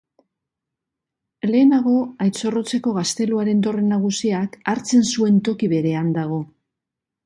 Lehenago Aitzorrotzeko gazteluaren dorre nagusiak hartzen zuen toki berean dago.